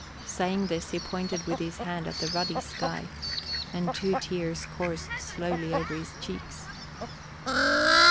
Saying this he pointed with his hand at the ruddy sky, and two tears coursed slowly over his cheeks.